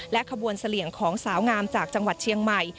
ขบวนเสลี่ยงของสาวงามจากจังหวัดเชียงใหม่